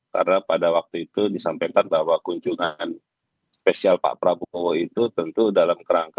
karena pada waktu itu disampaikan bahwa kunjungan spesial pak prabowo itu tentu dalam kerangka